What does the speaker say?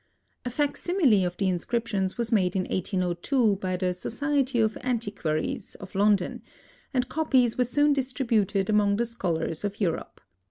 A fac simile of the inscriptions was made in 1802, by the "Society of Antiquaries," of London, and copies were soon distributed among the scholars of Europe.